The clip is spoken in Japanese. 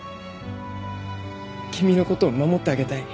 君のことを守ってあげたい。